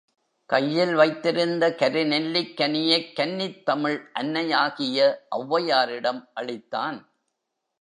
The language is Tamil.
கையில் வைத்திருந்த கருநெல்லிக்கனியைக் கன்னித்தமிழ் அன்னையாகிய ஒளவையாரிடம் அளித்தான்.